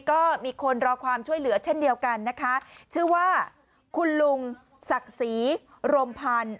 ก็มีคนรอความช่วยเหลือเช่นเดียวกันนะคะชื่อว่าคุณลุงศักดิ์ศรีรมพันธ์